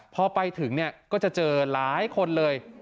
พอไปถึงเนี่ยก็จะเจอหลายคนเลย